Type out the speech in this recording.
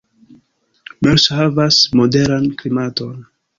Moers havas moderan klimaton.